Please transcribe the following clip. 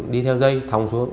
đi theo dây thòng xuống